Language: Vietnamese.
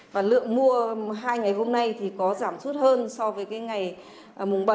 và lượng mua hai ngày hôm nay có giảm suất hơn so với ngày mùng bảy